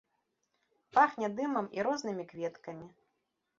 Пахне дымам і рознымі кветкамі.